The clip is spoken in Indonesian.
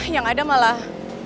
yang ada malah